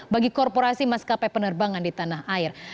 bagi korporasi maskapai penerbangan di tanah air